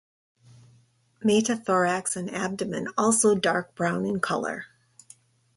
Metathorax and abdomen also dark brown in color.